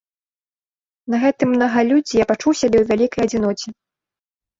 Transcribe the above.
На гэтым мнагалюддзі я пачуў сябе ў вялікай адзіноце.